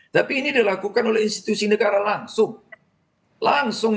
tapi ini dilakukan oleh institusi negara langsung